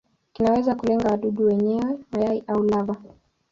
Kinaweza kulenga wadudu wenyewe, mayai au lava.